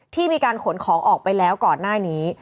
ที่มีการขนของออกไปแล้วก่อนหน้านี้